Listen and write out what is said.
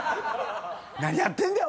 何やってんだよ！